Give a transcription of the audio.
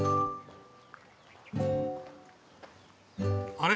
あれ？